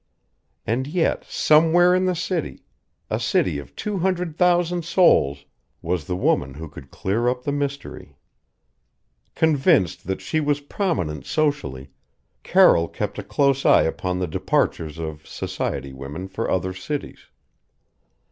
And yet, somewhere in the city a city of two hundred thousand souls was the woman who could clear up the mystery. Convinced that she was prominent socially, Carroll kept a close eye upon the departures of society women for other cities.